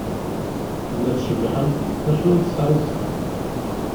Tella tcebbeḥ-d, maca ur tesεi ẓẓher.